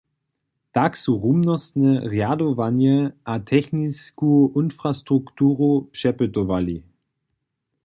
Tak su rumnostne rjadowanje a technisku infrastrukturu přepytowali.